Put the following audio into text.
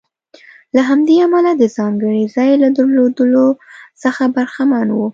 له همدې امله د ځانګړي ځای له درلودلو څخه برخمن و.